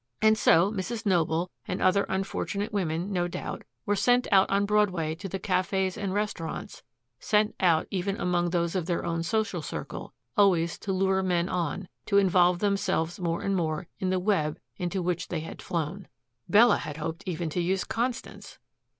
And so Mrs. Noble and other unfortunate women no doubt were sent out on Broadway to the cafes and restaurants, sent out even among those of their own social circle, always to lure men on, to involve themselves more and more in the web into which they had flown. Bella had hoped even to use Constance!